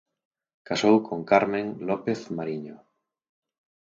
Casou con Carmen López Mariño.